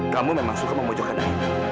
kamu memang suka memujukkan aini